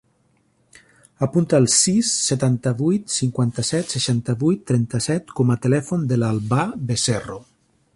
Apunta el sis, setanta-vuit, cinquanta-set, seixanta-vuit, trenta-set com a telèfon de l'Albà Becerro.